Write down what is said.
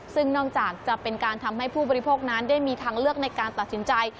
ซึ่งนอกจากจะเป็นการทำให้ผู้บริโภคนั้นได้มีทางเลือกในการตัดสินใจ